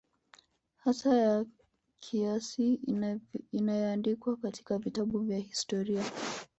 hasa ya kisiasa inayoandikwa katika vitabu vya historia